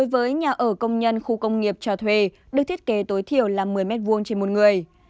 cơ sở công nhân khu công nghiệp trò thuê được thiết kế tối thiểu là một mươi m hai trên một người